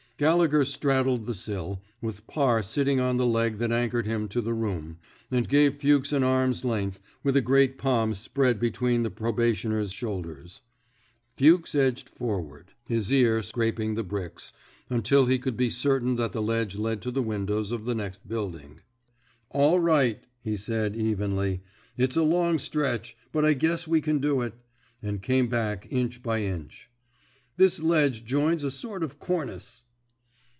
Gallegher straddled the sill — with Parr sitting on the leg that anchored him to the room — and gave Fuchs an arm's length, with a great palm spread between the pro bationer's shoulders. Fuchs edged forward, 20 THE BED INK SQUAD'' his ear scraping the bricks, until he could be certain that the ledge led to the windows of the next building. All right,'' he said, evenly; it's a long stretch, but I guess we can do it," and came back inch by inch. This ledge joins a sort of cornice."